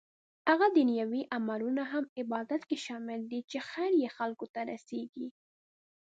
هغه دنيوي عملونه هم عبادت کې شامل دي چې خير يې خلکو ته رسيږي